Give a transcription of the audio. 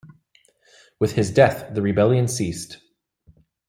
With his death, the rebellion ceased.